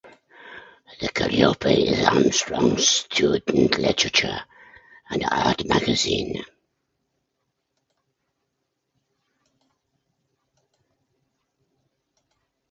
The "Calliope" is Armstrong's student literature and art magazine.